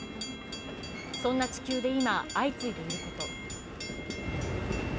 そんな地球で今、相次いでいること。